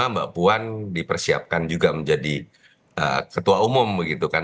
mbak puan dipersiapkan juga menjadi ketua umum begitu kan